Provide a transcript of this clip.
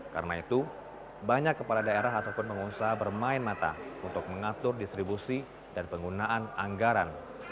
karena itu banyak kepala daerah ataupun pengusaha bermain mata untuk mengatur distribusi dan penggunaan anggaran